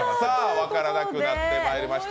分からなくなってきました。